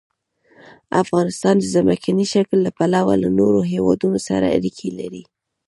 افغانستان د ځمکني شکل له پلوه له نورو هېوادونو سره اړیکې لري.